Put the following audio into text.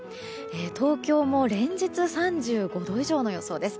東京も連日、３５度以上の予想です。